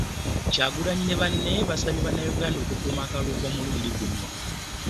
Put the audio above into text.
Kyagulanyi ne banne basabye Bannayuganda okukuuma akalulu k'omulundi guno